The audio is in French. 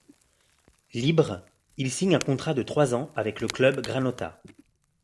Libre, il signe un contrat de trois ans avec le club granota.